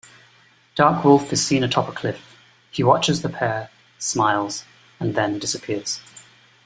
Darkwolf is seen atop a cliff; he watches the pair, smiles and then disappears.